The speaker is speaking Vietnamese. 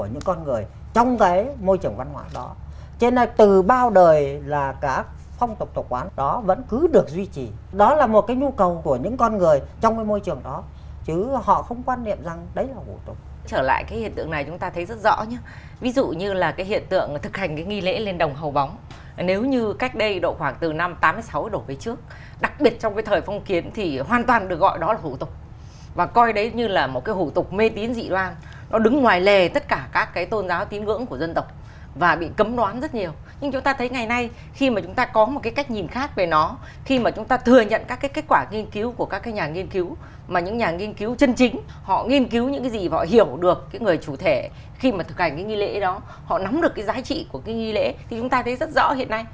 hiểu được cái người chủ thể khi mà thực hành cái nghi lễ đó họ nắm được cái giá trị của cái nghi lễ thì chúng ta thấy rất rõ hiện nay